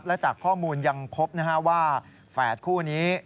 และจากข้อมูลยังพบว่าแฝดคู่นี้